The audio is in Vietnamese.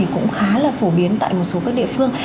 cũng khá là phổ biến tại một số các địa phương